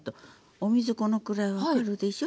お水このくらい分かるでしょ？